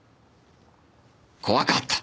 怖かった。